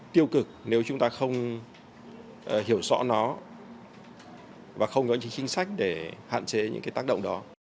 tiêu cực nếu chúng ta không hiểu rõ nó và không có những chính sách để hạn chế những cái tác động đó